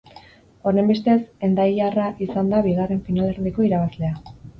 Honenbestez, hendaiarra izan da bigarren finalerdiko irabazlea.